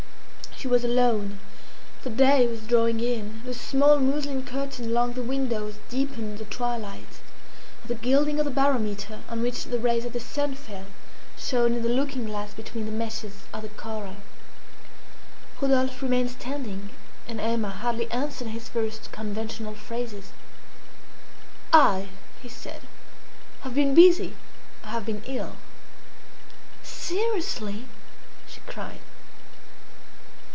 She was alone. The day was drawing in. The small muslin curtain along the windows deepened the twilight, and the gilding of the barometer, on which the rays of the sun fell, shone in the looking glass between the meshes of the coral. Rodolphe remained standing, and Emma hardly answered his first conventional phrases. "I," he said, "have been busy. I have been ill." "Seriously?" she cried.